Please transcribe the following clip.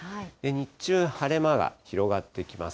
日中晴れ間が広がってきます。